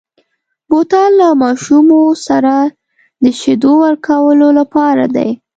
بوتل له ماشومو سره د شیدو ورکولو لپاره دی.